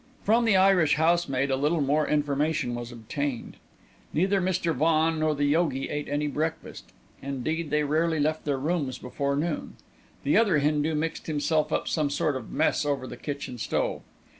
From the Irish housemaid a little more information was obtained. Neither Mr. Vaughan nor the yogi ate any breakfast; indeed, they rarely left their rooms before noon. The other Hindu mixed himself up some sort of mess over the kitchen stove.